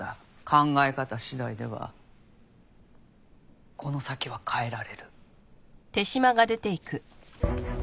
考え方次第ではこの先は変えられる。